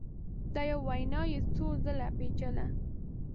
دا یوه وینا یې څو ځله پېچله